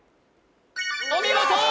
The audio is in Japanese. お見事！